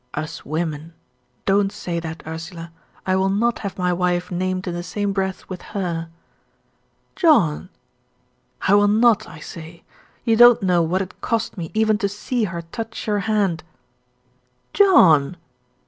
"'Us women!' Don't say that, Ursula. I will not have my wife named in the same breath with HER." "John!" "I will not, I say. You don't know what it cost me even to see her touch your hand." "John!"